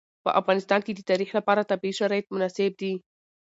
په افغانستان کې د تاریخ لپاره طبیعي شرایط مناسب دي.